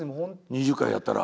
２０回やったら。